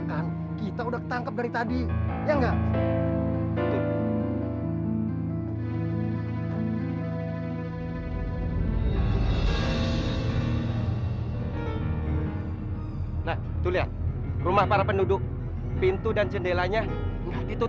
kalau kita berhasil mencuri ke anak itu